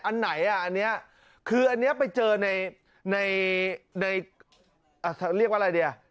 อันไหนอ่ะอันเนี่ยคือนี้ไปเจอในเรียกว่าอะไรดี